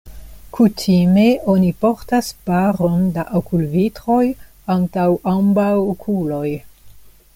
Kutime oni portas paron da okulvitroj antaŭ ambaŭ okuloj.